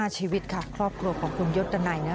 ๕ชีวิตค่ะครอบครัวของคุณยศนไหน